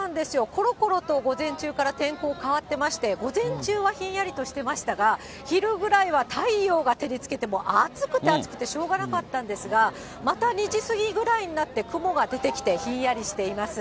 ころころと午前中から、天候変わってまして、午前中はひんやりとしてましたが、昼ぐらいは太陽が照りつけて、もう暑くて暑くてしょうがなかったんですが、また２時過ぎぐらいになって、雲が出てきてひんやりしています。